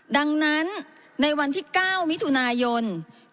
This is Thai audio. ดังนั้นในวันที่๙มิถุนายน